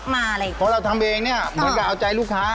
เพราะเราทำเองเหมือนกับอาจารย์ลูกค้า